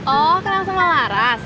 oh kenal sama laras